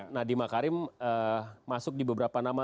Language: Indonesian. nadima karim masuk di beberapa nama